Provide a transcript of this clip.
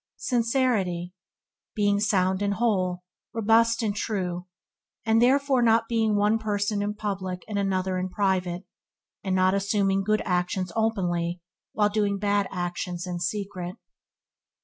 Sincerity – Being sound and whole, robust and true; and therefore not being one person in public and another in private, and not assuming good actions openly while doing bad actions in secret.